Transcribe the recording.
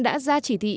đã ra chỉ thị